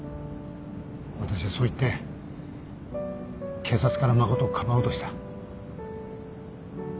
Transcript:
私はそう言って警察から真をかばおうとした。